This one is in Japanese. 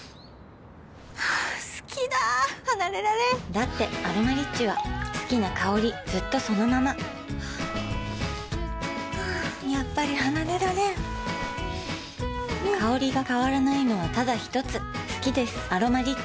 好きだ離れられんだって「アロマリッチ」は好きな香りずっとそのままやっぱり離れられん香りが変わらないのはただひとつ好きです「アロマリッチ」